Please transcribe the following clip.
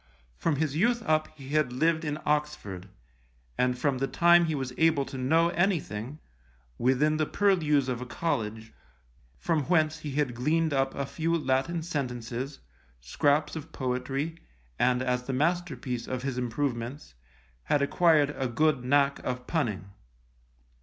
From his youth up he had lived in Oxford, and from the time he was able to know anything, within the purlieus of a college, from whence he had gleaned up a few Latin sentences, scraps of poetry, and as the masterpiece of his improvements, had acquired a good knack of punning.